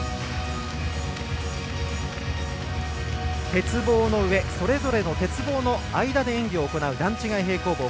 鉄棒の上、それぞれの鉄棒の間で演技を行う段違い平行棒。